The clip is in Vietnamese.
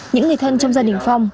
những người thân trong gia đình phong